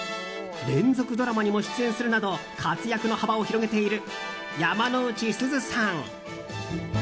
連続ドラマにも出演するなど活躍の幅を広げている山之内すずさん。